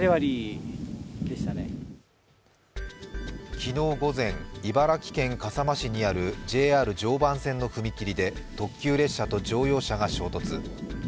昨日午前、茨城県笠間市にあるＪＲ常磐線の踏切で特急列車と乗用車が衝突。